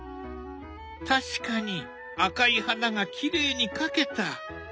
確かに赤い花がきれいに描けた。